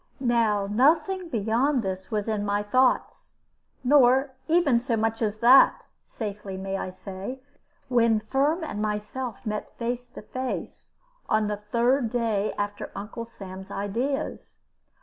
Now nothing beyond this was in my thoughts, nor even so much as that (safely may I say), when Firm and myself met face to face on the third day after Uncle Sam's ideas.